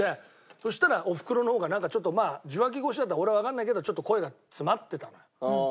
そしたらおふくろの方がなんかちょっとまあ受話器越しだった俺はわからないけどちょっと声が詰まってたのよ。